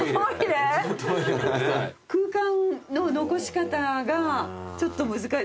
空間の残し方がちょっとむずか。